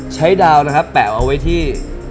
ดาวนะครับแปะเอาไว้ที่